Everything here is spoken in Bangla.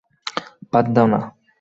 বাদ দাও না।